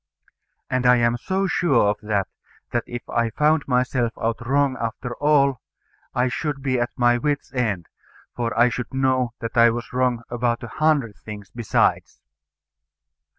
And I am so sure of that, that if I found myself out wrong after all I should be at my wit's end; for I should know that I was wrong about a hundred things besides.